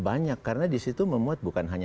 banyak karena di situ memuat bukan hanya